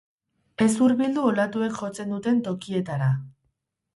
Ez hurbildu olatuek jotzen duten tokietara.